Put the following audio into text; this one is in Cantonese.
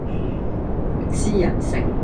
私人醒